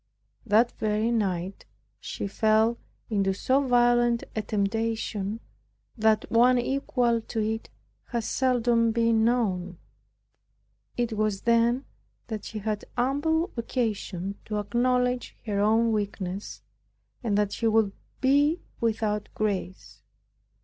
That very night she fell into so violent a temptation that one equal to it has seldom been known. It was then she had ample occasion to acknowledge her own weakness, and what she would be without grace.